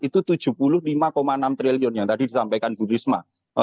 itu tujuh puluh lima enam triliun yang tadi disampaikan bu risma